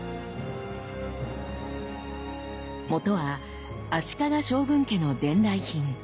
もとは足利将軍家の伝来品。